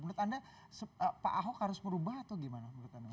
menurut anda pak ahok harus merubah atau gimana